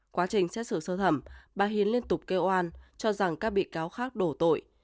quá trình xét xử sơ thẩm bà hiền liên tục kêu oan cho rằng các bị cáo khác đổ tội